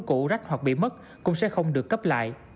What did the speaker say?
cũ rách hoặc bị mất cũng sẽ không được cấp lại